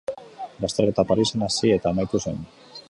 Lasterketa Parisen hasi eta amaitu zen.